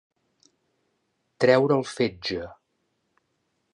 Treure el fetge.